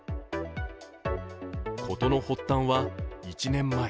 事の発端は１年前。